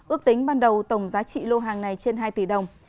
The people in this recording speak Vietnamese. ước tính ban đầu tổng giá trị lô hàng này trên hai tỷ đồng